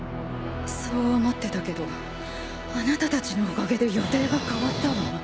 そう思ってたけどあなたたちのおかげで予定が変わったわ。